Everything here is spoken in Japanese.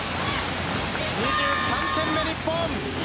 ２３点目、日本。